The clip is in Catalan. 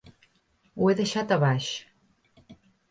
Ho he deixat a baix.